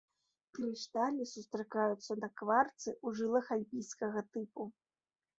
Крышталі сустракаюцца на кварцы ў жылах альпійскага тыпу.